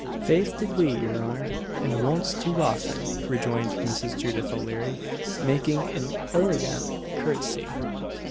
"Faith did we, your honour and wonst too often;" rejoined Mrs. Judith O'Leary, making an illigant curt'sy.